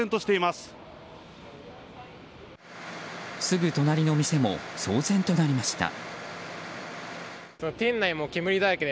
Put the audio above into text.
すぐ隣の店も騒然となりました。